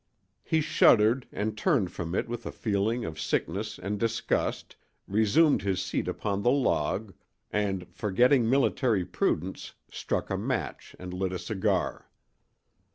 He shuddered and turned from it with a feeling of sickness and disgust, resumed his seat upon the log, and forgetting military prudence struck a match and lit a cigar.